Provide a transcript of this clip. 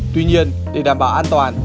tuy nhiên để đảm bảo an toàn